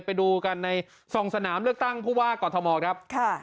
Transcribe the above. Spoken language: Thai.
ไปดูกันใน๒สนามเลือกตั้งผู้ว่ากอทมครับ